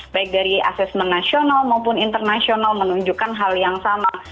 baik dari asesmen nasional maupun internasional menunjukkan hal yang sama